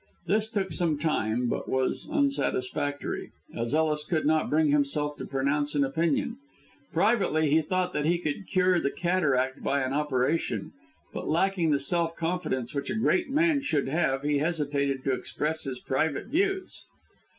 This took some time, but was unsatisfactory, as Ellis could not bring himself to pronounce an opinion. Privately he thought that he could cure the cataract by an operation; but lacking the self confidence which a great man should have, he hesitated to express his private views.